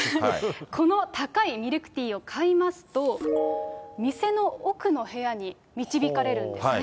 この高いミルクティーを買いますと、店の奥の部屋に導かれるんですね。